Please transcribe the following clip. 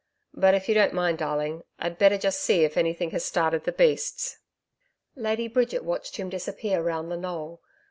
'But if you don't mind darling. I'd better just see if anything has started the beasts.' Lady Bridget watched him disappear round the knoll.